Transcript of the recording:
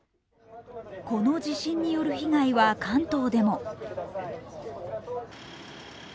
この地震による被害は関東でも。